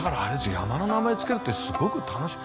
山の名前付けるってすごく楽しい。